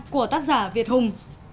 của tác giả việt hùng